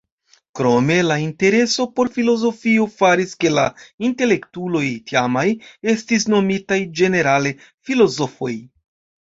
Krome la intereso por filozofio faris ke la intelektuloj tiamaj estis nomitaj ĝenerale "filozofoj".